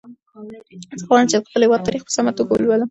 زه غواړم چې د خپل هېواد تاریخ په سمه توګه ولولم.